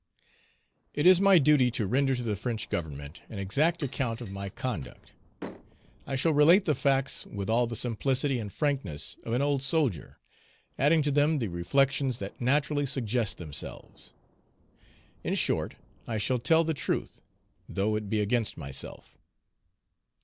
IT is my duty to render to the French Government an exact account of my conduct. I shall relate the facts with all the simplicity and frankness of an old soldier, adding to them the reflections that naturally suggest themselves. In short, I shall tell the truth, though it be against myself.